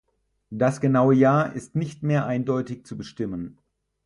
Das genaue Jahr ist nicht mehr eindeutig zu bestimmen.